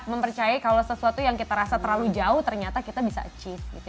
mempercayai kalau sesuatu yang kita rasa terlalu jauh ternyata kita bisa achieve gitu